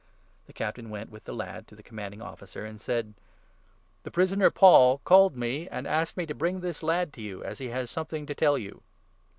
The Captain went with the lad to the Command 18 ing Officer, and said :" The prisoner Paul called me and asked me to bring this lad to you, as he has something to tell you."